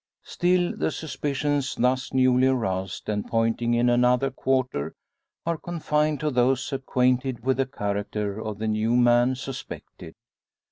Still the suspicions thus newly aroused, and pointing in another quarter, are confined to those acquainted with the character of the new man suspected.